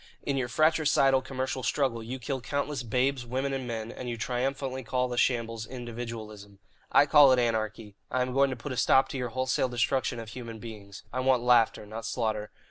In your fratricidal commercial struggle you kill countless babes, women, and men, and you triumphantly call the shambles 'individualism.' I call it anarchy. I am going to put a stop to your wholesale destruction of human beings. I want laughter, not slaughter.